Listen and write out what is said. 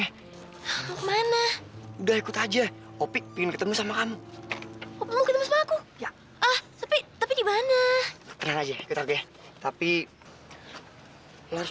ya mana udah ikut aja opikin ketemu sama kamu mau ketemu aku ya ah tapi tapi gimana tapi harus